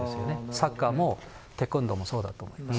サッカーもテコンドーもそうだと思います。